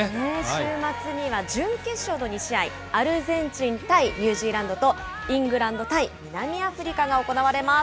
週末には準決勝の２試合、アルゼンチン対ニュージーランドと、イングランド対南アフリカが行われます。